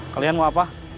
kalian mau apa